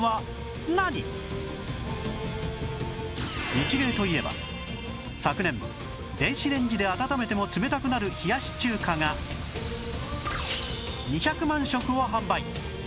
ニチレイといえば昨年電子レンジで温めても冷たくなる冷やし中華が２００万食を販売